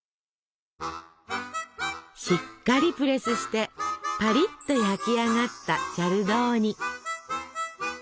しっかりプレスしてパリッと焼き上がったチャルドーニ。